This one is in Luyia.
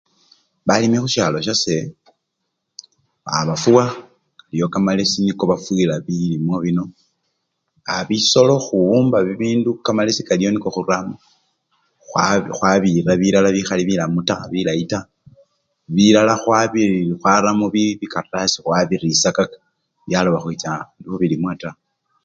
Balimi khushalo shase aa bafuwa, eliwo kamalesi niko bafuyila bilimwa bino, aa bisolo khuwumba bibindu, kamalesi kaliwo niko huramo khwabira bilala bikhali bilamu bilayi taa bilala khwaramo bikaratasi khwabirishakaka byaloba khwicha mubilimwa taa.